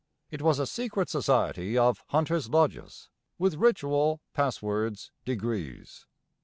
It was a secret society of 'Hunters' Lodges,' with ritual, passwords, degrees.